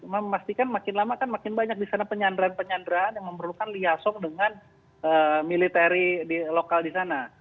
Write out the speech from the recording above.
memastikan makin lama makin banyak disana penyandaran penyandaran yang memerlukan liasong dengan militer lokal disana